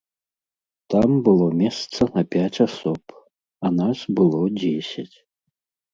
Там было месца на пяць асоб, а нас было дзесяць.